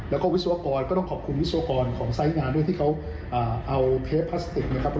แล้วก็วิศวกรก็ต้องขอบคุณวิศวกรของไซส์งานด้วยที่เขาเอาเทปพลาสติกนะครับ